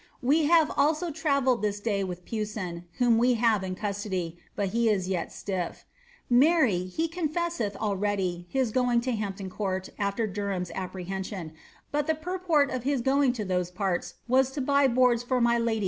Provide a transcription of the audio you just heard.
We have sIho travelled this day with Pewsoo, ooi we have in custody, but he is yet siifT. Marry, he confeaseth htly his going to Ilam^n Court aAer Derham's apprehension, but purport of hia going to those parts was to buy boards for my lady